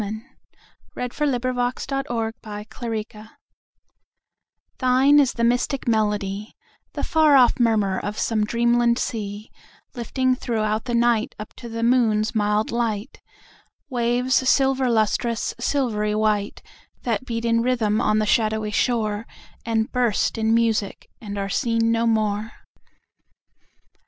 1900. By George SidneyHellman 1689 Coleridge THINE is the mystic melody, The far off murmur of some dreamland seaLifting throughout the night, Up to the moon's mild light, Waves silver lustrous, silvery white, That beat in rhythm on the shadowy shore, And burst in music, and are seen no more.